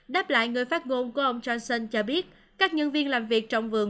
đáp lại người phát ngôn của ông johnson cho biết các nhân viên làm việc trong vườn